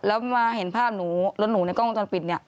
แล้วมาเห็นภาพหนูรถหนูในกล้องวงจรปิดเนี่ย